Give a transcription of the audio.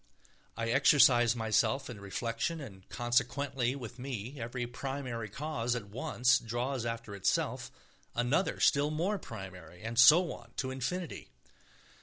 I exercise myself in reflection, and consequently with me every primary cause at once draws after itself another still more primary, and so on to infinity.